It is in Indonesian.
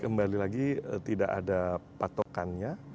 kembali lagi tidak ada patokannya